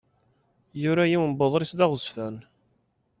Yura yiwen n uḍris d aɣezzfan.